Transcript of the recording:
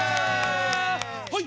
はい！